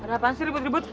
kenapa sih ribut ribut